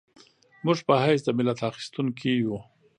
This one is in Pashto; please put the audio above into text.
موږ په حیث د ملت اخیستونکي یو.